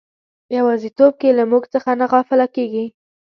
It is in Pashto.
په یوازیتوب کې له موږ څخه نه غافله کیږي.